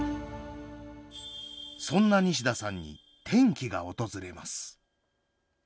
そんな西田さんに転機が訪れます。